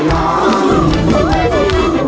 ร้องได้ให้ร้อง